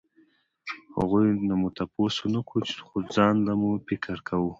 هغو نه مو تپوس ونکړو خو ځانله مې فکر کوو